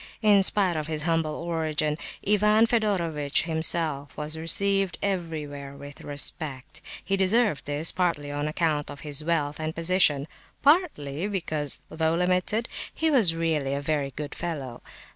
In spite of his humble origin, Ivan Fedorovitch himself was received everywhere with respect. He deserved this, partly on account of his wealth and position, partly because, though limited, he was really a very good fellow.